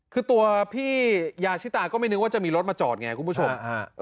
คือตัวพี่ยาชิตาก็ไม่นึกว่าจะมีรถมาจอดไงคุณผู้ชม